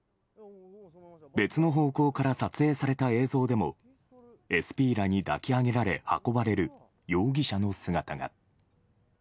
別の方向から撮影された映像でもＳＰらに抱き上げられ運ばれる容疑者の姿が。